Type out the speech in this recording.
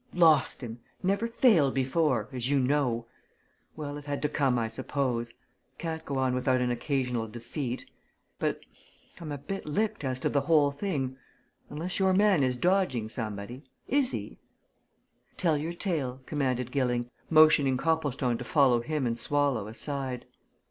"Lost him! Never failed before as you know. Well, it had to come, I suppose can't go on without an occasional defeat. But I'm a bit licked as to the whole thing unless your man is dodging somebody. Is he?" "Tell your tale," commanded Gilling, motioning Copplestone to follow him and Swallow aside.